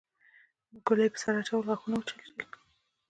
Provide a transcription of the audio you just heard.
ګلي په سر اچولو غاښونه وچيچل.